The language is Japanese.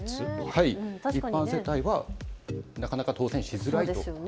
一般世帯はなかなか当せんしづらいです。